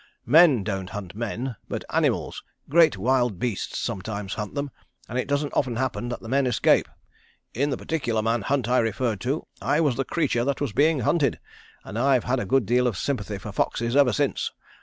Men don't hunt men, but animals, great wild beasts sometimes hunt them, and it doesn't often happen that the men escape. In the particular man hunt I refer to I was the creature that was being hunted, and I've had a good deal of sympathy for foxes ever since.